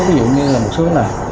ví dụ như là một số là